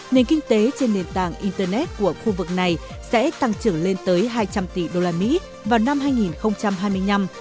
nền kinh tế trên nền tảng internet của khu vực này sẽ tăng trưởng lên tới hai trăm linh tỷ usd vào năm hai nghìn hai mươi năm